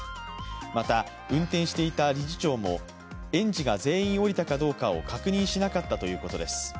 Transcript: また、運転していた理事長も園児が全員降りたかどうかを確認しなかったということです。